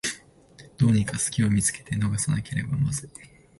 どうにかすきを見つけて逃げなければまずい